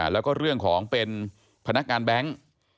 แล้วก็เรื่องของเป็นพนักงานแบงค์